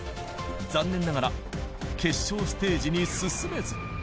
残念ながら決勝ステージに進めず。